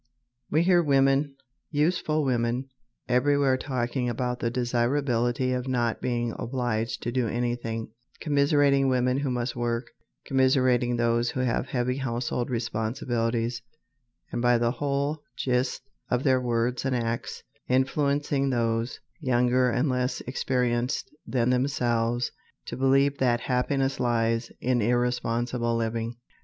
We hear women, useful women, everywhere talking about the desirability of not being obliged to do anything, commiserating women who must work, commiserating those who have heavy household responsibilities, and by the whole gist of their words and acts influencing those younger and less experienced than themselves to believe that happiness lies in irresponsible living.